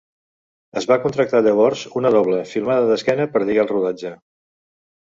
Es va contractar llavors una doble, filmada d'esquena per lligar el rodatge.